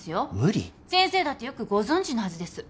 先生だってよくご存じのはずです。